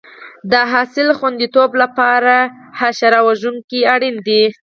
د حاصل خوندیتوب لپاره حشره وژونکي اړین دي.